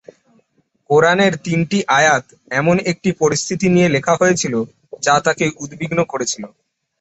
কুরআনের তিনটি আয়াত এমন একটি পরিস্থিতি নিয়ে লেখা হয়েছিল, যা তাকে উদ্বিগ্ন করেছিল।